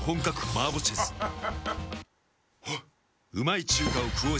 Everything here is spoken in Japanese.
あっ。